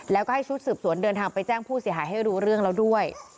แล้วก็ให้ชุดสืบสวนเดินทางไปแจ้งผู้เสียหายให้รู้เรื่องแล้วด้วย